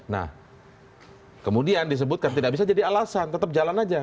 nah kemudian disebutkan tidak bisa jadi alasan tetap jalan aja